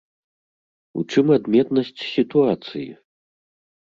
У чым адметнасць сітуацыі?